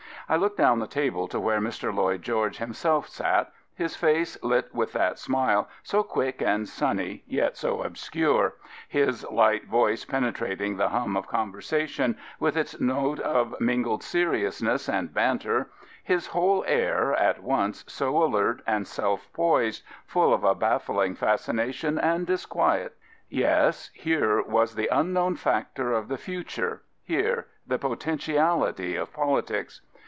I looked down the table to where Mr. Lloyd George himself sat, his face lit with that smile, so quick and sunny, yet so obscure, his light voice penetrating the hum of conversation, with its note of mingled seriousness and banter, his whole air, at once so alert and self poised, fulTof a baffling fascination and disquiet. Yes, here was the unknown factor of the future, here the potentiality of politics.